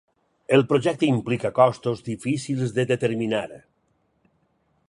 El projecte implica costos difícils de determinar.